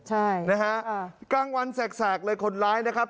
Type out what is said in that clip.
ใช่นะฮะอ่ากลางวันแสกเลยคนร้ายนะครับ